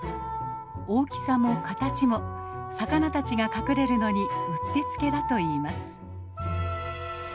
大きさも形も魚たちが隠れるのにうってつけだといいます。